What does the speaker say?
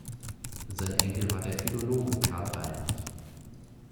Sein Enkel war der Philologe Karl Reinhardt.